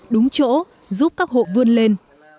đúng chỗ giúp các hộ vươn lên